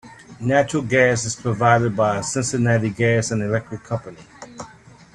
Natural gas is provided by the Cincinnati Gas and Electric Company.